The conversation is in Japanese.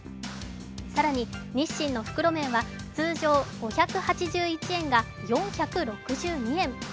更に日清の袋麺は通常５８１円が４６２円。